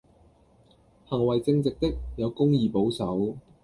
行為正直的，有公義保守